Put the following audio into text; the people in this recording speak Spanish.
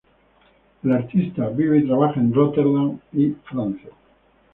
El artista vive y trabaja en Róterdam y Francia.